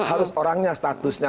harus orangnya statusnya